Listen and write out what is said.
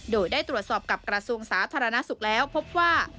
โดยได้ตรวจสอบกับกระทรวงสาธารณสุขแล้วพบว่า